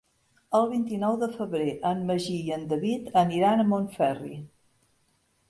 El vint-i-nou de febrer en Magí i en David aniran a Montferri.